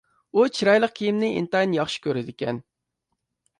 ئۇ چىرايلىق كىيىمنى ئىنتايىن ياخشى كۆرىدىكەن،